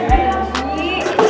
aku kasih tau pak